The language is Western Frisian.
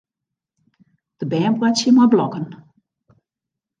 De bern boartsje mei blokken.